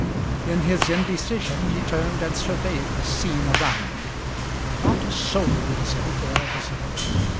In his indecision he turned and surveyed the scene around. Not a soul was anywhere visible.